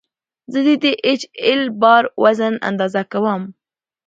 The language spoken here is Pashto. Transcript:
زه د ډي ایچ ایل بار وزن اندازه کوم.